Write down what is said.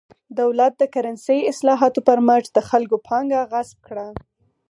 دولت د کرنسۍ اصلاحاتو پر مټ د خلکو پانګه غصب کړه.